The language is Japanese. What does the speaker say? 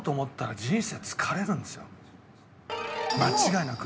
間違いなく。